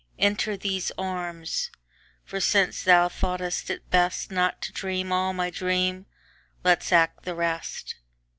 Enter these arms, for since thou thought'st it bestNot to dream all my dream, let's act the rest.